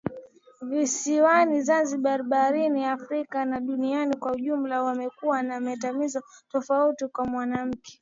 Visiwani Zanzibar Barani Afrika na duniani kwa ujumla wamekuwa na mitazamo tofauti kwa wanawake